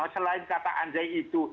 selain kata anjay itu